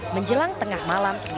menjelang tengah malam